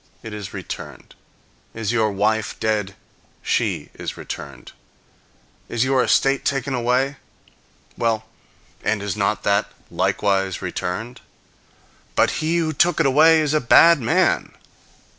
It is returned. Is your wife dead? She is returned. Is your estate taken away? Well, and is not that likewise returned? "But he who took it away is a bad man."